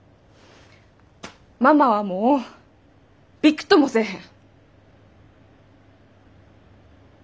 ママはもうビクともせぇへん。